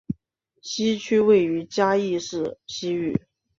西区位于嘉义市西隅。